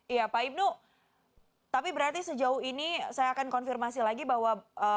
iya pak ibnu tapi berarti sejauh ini saya akan konfirmasi lagi bahwa